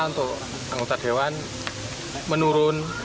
untuk anggota dewan menurun